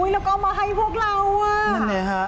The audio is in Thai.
แล้วก็เอามาให้พวกเรา